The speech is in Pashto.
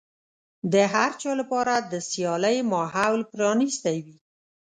د هر چا لپاره د سيالۍ ماحول پرانيستی وي.